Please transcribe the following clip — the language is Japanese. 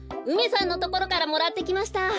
うめさんのところからもらってきました。